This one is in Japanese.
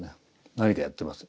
何かやってます。